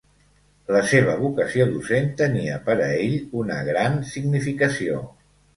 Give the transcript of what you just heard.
La seva vocació docent tenia per a ell una gran significació.